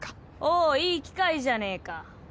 おおいい機会じゃねえか。